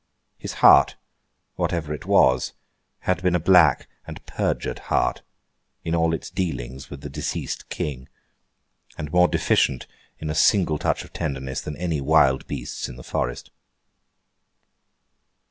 His heart, whatever it was, had been a black and perjured heart, in all its dealings with the deceased King, and more deficient in a single touch of tenderness than any wild beast's in the forest.